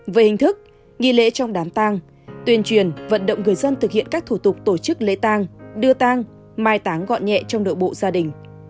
về hình thức nghi lễ trong đám tăng tuyên truyền vận động người dân thực hiện các thủ tục tổ chức lễ tăng đưa tăng mai táng gọn nhẹ trong đội bộ gia đình